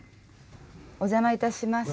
お邪魔いたします。